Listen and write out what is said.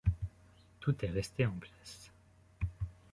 Tout est resté en place.